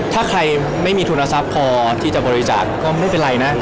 ถ้าใครไม่มีทุนทรัพย์พอที่จะบริจาคก็ไม่เป็นไรนะ